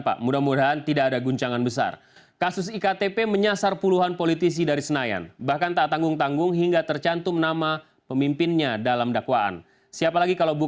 ya mudah mudahan tidak ada gunjangan politik yang besar ya karena namanya yang disebutkan memang banyak sekali